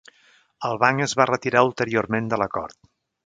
El banc es va retirar ulteriorment de l'acord.